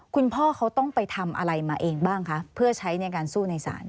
คุณพ่อเขาต้องไปทำอะไรมาเองบ้างคะเพื่อใช้ในการสู้ในศาล